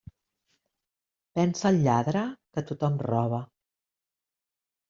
Pensa el lladre que tothom roba.